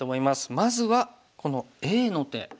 まずはこのＡの手。